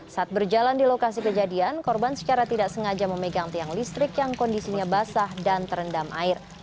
saat berjalan di lokasi kejadian korban secara tidak sengaja memegang tiang listrik yang kondisinya basah dan terendam air